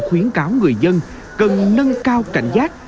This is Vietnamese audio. khuyến cáo người dân cần nâng cao cảnh giác